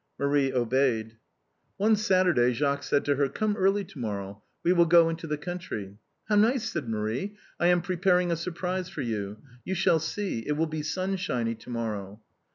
Marie obeyed. One Saturday Jacques said to her: " Come early to morrow ; we will go into the country." " How nice !" said Marie ;" I am preparing a surprise for you. You shall see. It will be sunshiny to morrow."